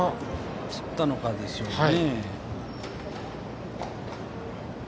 つったのかですよね。